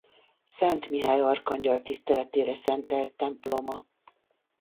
Szent Mihály arkangyal tiszteletére szentelt temploma.